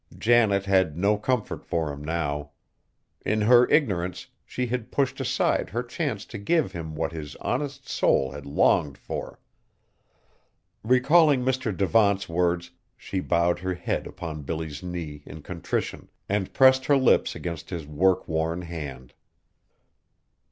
Janet had no comfort for him now. In her ignorance she had pushed aside her chance to give him what his honest soul had longed for. Recalling Mr. Devant's words, she bowed her head upon Billy's knee in contrition, and pressed her lips against his work worn hand.